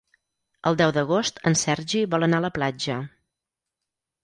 El deu d'agost en Sergi vol anar a la platja.